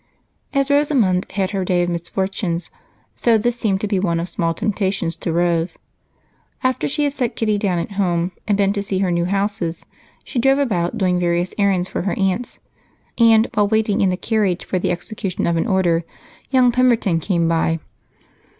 As Rosamond had her day of misfortunes, so this seemed to be one of small temptations to Rose. After she had set Kitty down at home and been to see her new houses, she drove about doing various errands for the aunts and, while waiting in the carriage for the execution of an order, young Pemberton came by.